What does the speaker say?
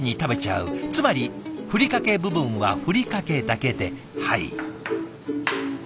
つまりふりかけ部分はふりかけだけではい。